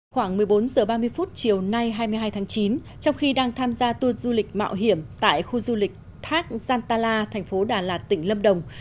khoảng một mươi bốn h ba mươi chiều nay hai mươi hai tháng chín trong khi đang tham gia tour du lịch mạo hiểm tại khu du lịch thác giang tala thành phố đà lạt tỉnh lâm đồng